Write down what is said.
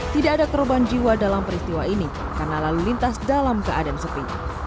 tidak ada korban jiwa dalam peristiwa ini karena lalu lintas dalam keadaan sepi